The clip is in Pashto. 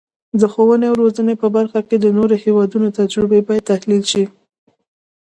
د ښوونې او روزنې په برخه کې د نورو هیوادونو تجربې باید تحلیل شي.